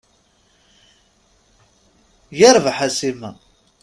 Yarbaḥ a Sima!